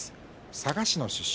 佐賀市の出身。